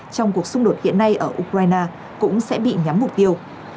trong cuộc xung đột hiện nay ở ukraine cũng sẽ bị nhắm mục tiêu